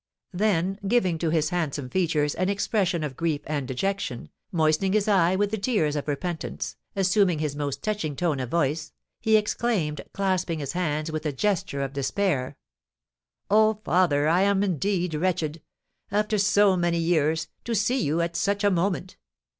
Then, giving to his handsome features an expression of grief and dejection, moistening his eye with the tears of repentance, assuming his most touching tone of voice, he exclaimed, clasping his hands with a gesture of despair: "Ah, father, I am indeed wretched! After so many years, to see you at such a moment!